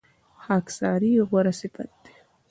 خاکساري غوره صفت دی.